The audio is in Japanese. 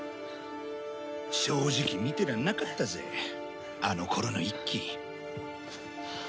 正直見てらんなかったぜあの頃の一輝。